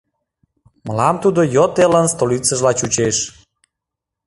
Мылам тудо йот элын столицыжла чучеш.